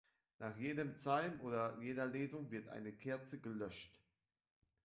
Nach jedem Psalm oder jeder Lesung wird eine Kerze gelöscht.